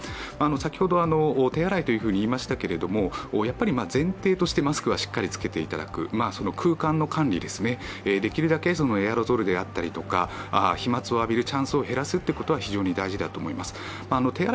先ほど手洗いと言いましたけど前提としてマスクはしっかり着けていただく、空間の管理、できるだけエアロゾルだったりとか飛まつが飛ぶのを減らすということは非常に大事だと思います。